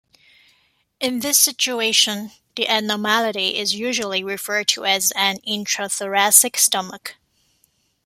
In this situation the abnormality is usually referred to as an intrathoracic stomach.